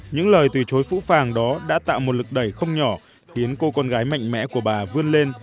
những lời từ chối phũ phàng đó đã tạo một lực đẩy không nhỏ khiến cô con gái mạnh mẽ của bà vươn lên